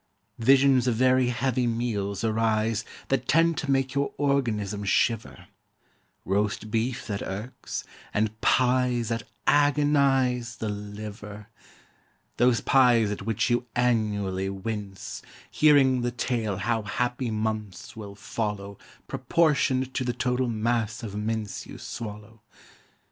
Visions of very heavy meals arise That tend to make your organism shiver; Roast beef that irks, and pies that agonise The liver; Those pies at which you annually wince, Hearing the tale how happy months will follow Proportioned to the total mass of mince You swallow.